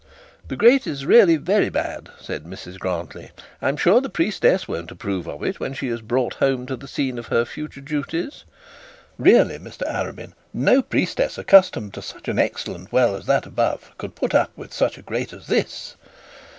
'The grate is really very bad,' said Mrs Grantly; 'I am sure the priestess won't approve of it, when she is brought here to the scene of future duties. Really, Mr Arabin, no priestess accustomed to such an excellent well as that above could put up with such a grate as this.'